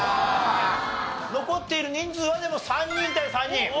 残っている人数はでも３人対３人。